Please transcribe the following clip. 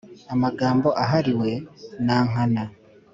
«amagambo ahariwe nankana».